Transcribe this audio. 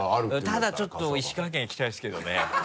ただちょっと石川県行きたいですけどね。